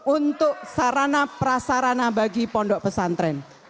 untuk sarana prasarana bagi pondok pesantren